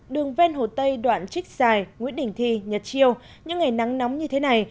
đường ven hồ tây đoạn trích xài nguyễn đình thi nhật chiêu những ngày nắng nóng như thế này